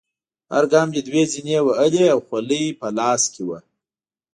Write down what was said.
هر ګام دې دوه زینې وهلې او خولۍ په لاس کې وه.